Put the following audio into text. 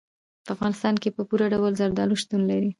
په افغانستان کې په پوره ډول زردالو شتون لري.